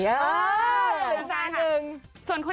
ขอบคุณค่ะ